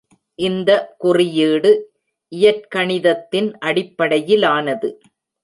இந்த குறியீடு இயற்கணிதத்தின் அடிப்படையிலானது.